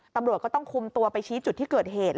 ตำรวจก็ต้องคุมตัวไปชี้จุดที่เกิดเหตุ